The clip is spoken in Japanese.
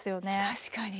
確かに。